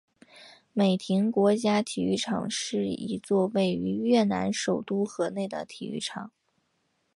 美亭国家体育场是一座位于越南首都河内的体育场。